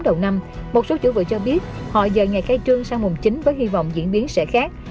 đầu năm một số chủ vượng cho biết họ giờ ngày khai trương sang mùng chín với hy vọng diễn biến sẽ khác